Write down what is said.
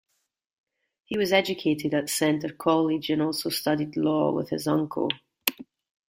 He was educated at Centre College and also studied law with his uncle.